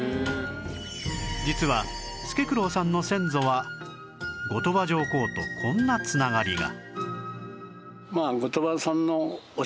実は助九郎さんの先祖は後鳥羽上皇とこんな繋がりが